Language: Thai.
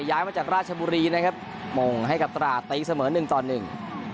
ย้ายมาจากราชบุรีนะครับมงให้กับตราตีเสมอหนึ่งต่อหนึ่ง